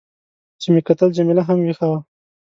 چې مې کتل، جميله هم وېښه وه.